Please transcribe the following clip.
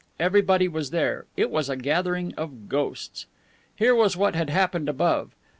Everybody was there. It was a gathering of ghosts. Here was what had happened above.